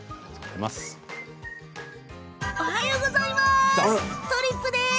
おはようございます。